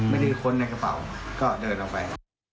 มีคนในกระเป๋าก็เดินออกไป